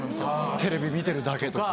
テレビ見てるだけとか。